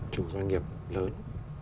chủ doanh nghiệp lớn